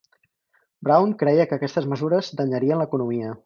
Brown creia que aquestes mesures danyarien l'economia.